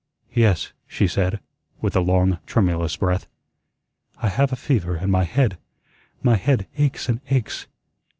"Yes," she said, with a long, tremulous breath, "I have a fever, and my head my head aches and aches."